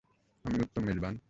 আমি উত্তম মেযবান?